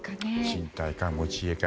賃貸か、持ち家か。